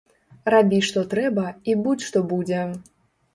Рабі што трэба, і будзь што будзе!